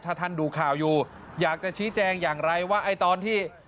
ถ้าท่านดูข่าวอยู่อยากจะชี้แจงอย่างไรว่าไอ้ตอนที่